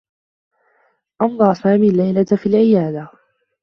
أمضى سامي اللّيلة في العيادة.